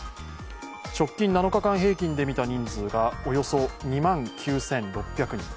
直近７日間平均で見た人数がおよそ２万９６００人。